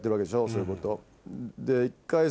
そういうこと。